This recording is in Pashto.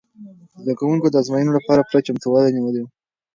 زده کوونکو د ازموینې لپاره پوره چمتووالی نیولی و.